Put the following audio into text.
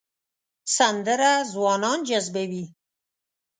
سندره ځوانان جذبوي